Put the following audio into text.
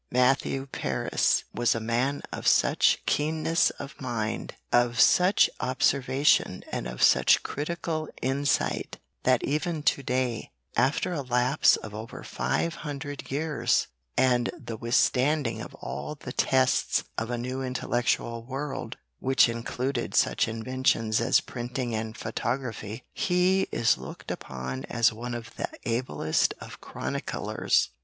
Matthew Paris was a man of such keenness of mind, of such observation and of such critical insight, that even to day, after a lapse of over five hundred years, and the withstanding of all the tests of a new intellectual world which included such inventions as printing and photography, he is looked upon as one of the ablest of chroniclers.